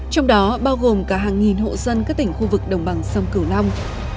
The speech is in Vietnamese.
trong đó bao gồm cả hàng nghìn hộ dân các tỉnh khu vực đồng bằng sông cửu long